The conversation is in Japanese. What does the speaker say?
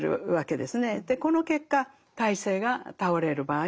でこの結果体制が倒れる場合もあると。